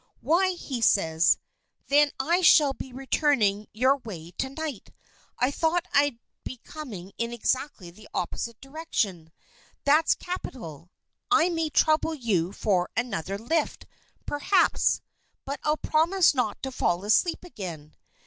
'Why,' he says, 'then I shall be returning your way to night. I thought I'd be coming in exactly the opposite direction. That's capital! I may trouble you for another lift, perhaps, but I'll promise not to fall asleep again.